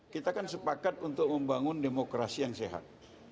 kita kan sepakat untuk membangun demokrasi yang sehat